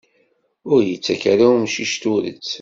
Ur ittak ara umcic turet.